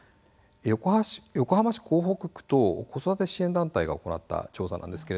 横浜市港北区と子育て支援団体が行った調査です。